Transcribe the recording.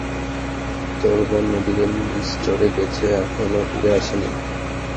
তোর বোন মেডিকেল স্টোরে গেছে এখনও ফিরে আসে নি।